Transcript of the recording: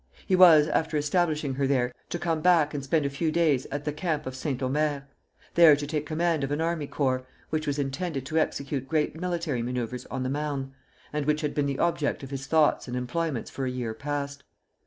He was, after establishing her there, to come back and spend a few days at the camp of St. Omer, there to take command of an army corps, which was intended to execute great military manoeuvres on the Marne, and which had been the object of his thoughts and employments for a year past.